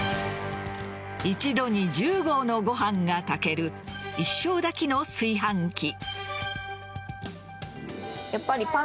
一度に１０合のご飯が炊ける一升炊きの炊飯器。